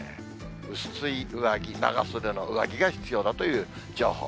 薄い上着、長袖の上着が必要だという情報。